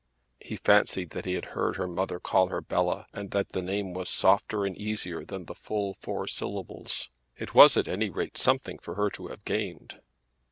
He fancied that he had heard her mother call her Bella, and that the name was softer and easier than the full four syllables. It was at any rate something for her to have gained.